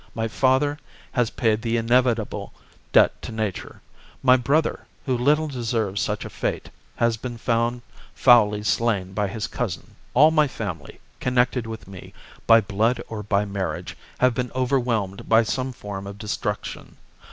My father has paid the inevitable debt to nature. My brother, who little deserved such a fate, has been foully slain by his cousin. All my family, connected with me by blood or by marriage, have been overwhelmed by some form of destruction.